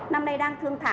năm nay đang thương thảo